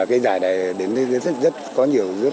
cái giải này đến rất có nhiều